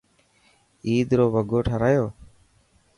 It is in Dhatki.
عيد رو وگو ٺارايو؟